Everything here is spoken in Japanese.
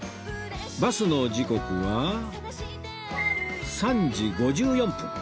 バスの時刻は３時５４分